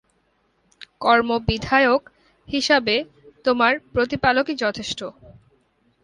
কর্মবিধায়ক হিসাবে তোমার প্রতিপালকই যথেষ্ট।